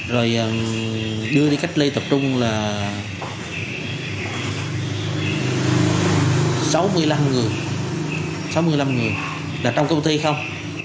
rồi đưa đi cách ly tập trung là sáu mươi năm người sáu mươi năm người là trong công ty không